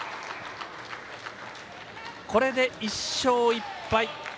これで１勝１敗。